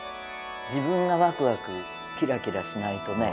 自分がワクワクキラキラしないとね。